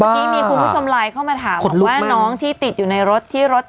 เมื่อกี้มีคุณผู้ชมไลน์เข้ามาถามบอกว่าน้องที่ติดอยู่ในรถที่รถ